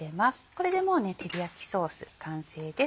これでもう照り焼きソース完成です。